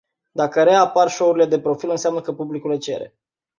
Dacă reapar show-urile de profil, înseamnă că publicul le cere.